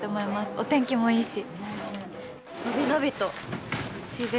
お天気もいいし。